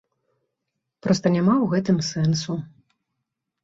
Проста няма ў гэтым сэнсу.